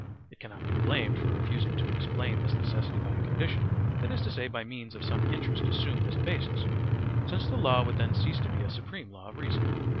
It cannot be blamed for refusing to explain this necessity by a condition, that is to say, by means of some interest assumed as a basis, since the law would then cease to be a supreme law of reason.